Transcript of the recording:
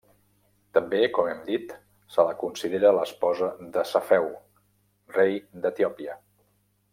També, com hem dit, se la considera l'esposa de Cefeu, rei d'Etiòpia.